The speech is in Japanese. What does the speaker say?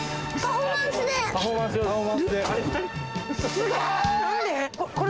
すごーい！